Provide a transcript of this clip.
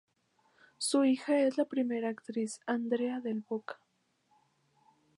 Su hija es la primera actriz Andrea del Boca.